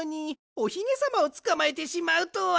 おひげさまをつかまえてしまうとは。